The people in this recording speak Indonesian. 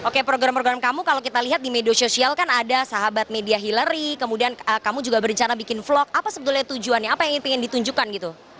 oke program program kamu kalau kita lihat di media sosial kan ada sahabat media hillary kemudian kamu juga berencana bikin vlog apa sebetulnya tujuannya apa yang ingin ditunjukkan gitu